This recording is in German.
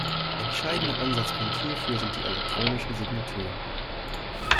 Entscheidender Ansatzpunkt hierfür sind die elektronischen Signaturen.